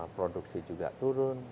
produksi juga turun